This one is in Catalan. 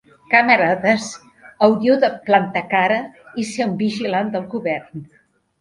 Camarades, hauríeu de plantar cara i ser un vigilant del govern.